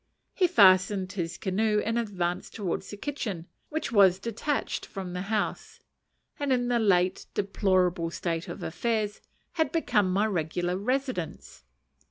He fastened his canoe and advanced towards the kitchen, which was detached from the house, and, in the late deplorable state of affairs, had become my regular residence.